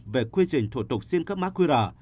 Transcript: về quy trình thủ tục xin cấp mã qr